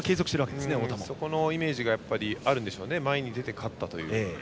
そのイメージがあるんでしょう前に出て勝ったという。